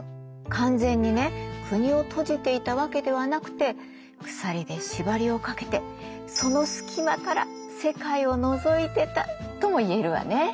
完全にね国を閉じていたわけではなくて鎖で縛りをかけてその隙間から世界をのぞいてたとも言えるわね。